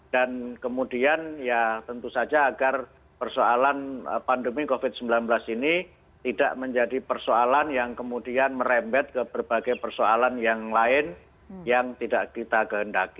dan kemudian ya tentu saja agar persoalan pandemi covid sembilan belas ini tidak menjadi persoalan yang kemudian merembet ke berbagai persoalan yang lain yang tidak kita kehendaki